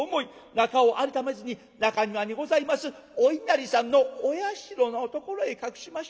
中を改めずに中庭にございますお稲荷さんのお社のところへ隠しました。